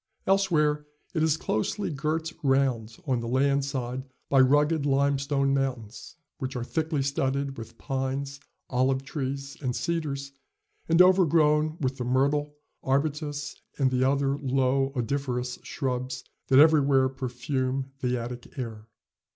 Elsewhere it is closely girt round on the land side by rugged limestone mountains, which are thickly studded with pines, olive trees and cedars, and overgrown with the myrtle, arbutus, and the other low odoriferous shrubs that everywhere perfume the Attic air.